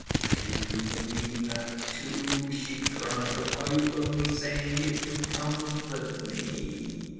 "Do you believe that too?" she cried. "Or are you only saying it to comfort me?"